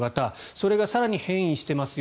それが更に変異してますよ。